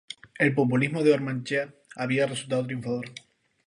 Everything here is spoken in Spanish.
El populismo de Hormaechea había resultado triunfador.